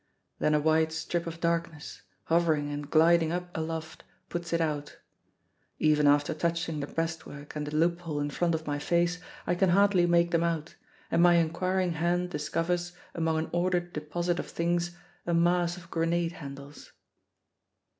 Then a wide strip of darkness, hovering and gliding up aloft, puts it out. Even after touching the breastwork and the loophole in front of my face I can hardly make them out, and my inquiring hand discovers, among an ordered deposit of things, a mass of grenade handles.